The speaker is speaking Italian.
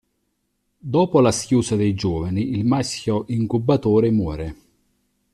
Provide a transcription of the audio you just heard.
Dopo la schiusa dei giovani il maschio incubatore muore.